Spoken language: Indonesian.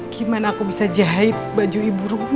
gimana aku bisa jahit baju ibu ruku